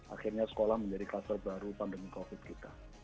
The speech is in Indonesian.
akhirnya sekolah menjadi kluster baru pandemi covid kita